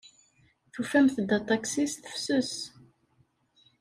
Tufamt-d aṭaksi s tefses.